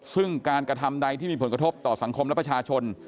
ซึ่งการกระทำใดที่มีผลกระทบต่อสังคมและประชาชน